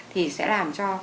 thì sẽ làm cho